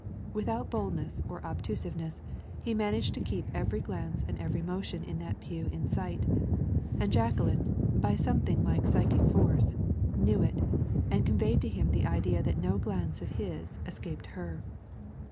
Without boldness or obtrusiveness, he managed to keep every glance and every motion in that pew in sight; and Jacqueline, by something like psychic force, knew it, and conveyed to him the idea that no glance of his escaped her.